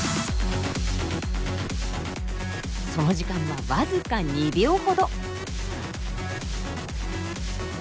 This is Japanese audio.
その時間は僅か２秒ほど。